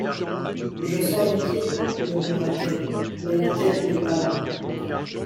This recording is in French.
Je sens les pieds, murmura-t-elle, mais la tête n’est pas là...